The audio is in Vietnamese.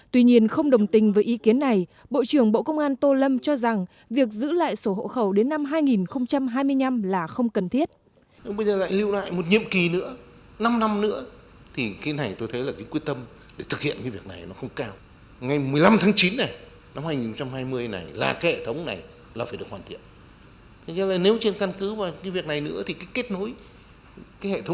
tuy nhiên không đồng tình với ý kiến này bộ trưởng bộ công an tô lâm cho rằng việc giữ lại sổ hộ khẩu đến năm hai nghìn hai mươi năm là không cần thiết